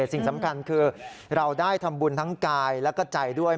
สิ่งสำคัญคือเราได้ทำบุญทั้งกายแล้วก็ใจด้วย